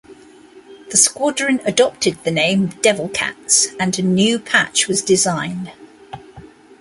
The squadron adopted the name "Devil Cats" and a new patch was designed.